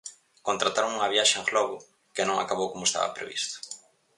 Contrataron unha viaxe en globo, que non acabou como estaba previsto.